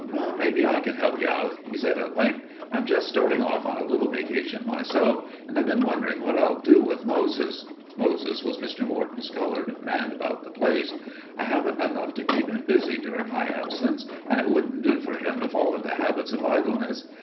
"Maybe I can help you out," he said at length. "I'm just starting off on a little vacation myself, and I've been wondering what I'd do with Moses." (Moses was Mr. Morton's colored man about the place.) "I haven't enough to keep him busy during my absence and it wouldn't do for him to fall into habits of idleness.